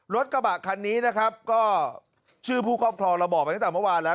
รถกระบะคันนี้นะครับก็ชื่อผู้ครอบครองเราบอกไปตั้งแต่เมื่อวานแล้ว